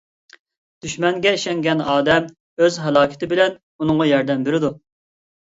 دۈشمەنگە ئىشەنگەن ئادەم ئۆز ھالاكىتى بىلەن ئۇنىڭغا ياردەم بېرىدۇ.